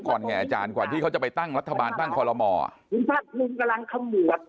ลบก่อนแห่งอาจารย์กว่าที่เขาจะไปตั้งลัธบาลตั้งคอลอเหมา